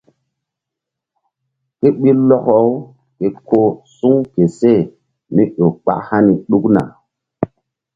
Ké ɓil lɔkɔ-u ke ko suŋ ke seh mí ƴo kpak hani ɗukna.